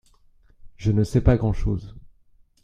Je ne sais pas grand-chose.